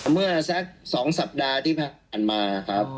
เมื่อสัก๒สัปดาห์ที่ผ่านมาครับ